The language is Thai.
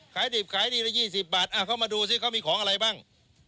ขายดิบขายดีละ๒๐บาทเขามาดูซิเขามีของอะไรบ้าง